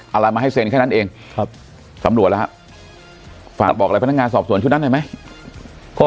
เอาอะไรมาให้เซ็นแค่นั้นเองสำรวจแล้วฝากบอกอะไรพนักงานสอบส่วนช่วยนั้นได้ไหม